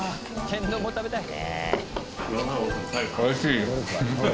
「天丼も食べたい」